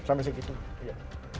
sampai segitunya iya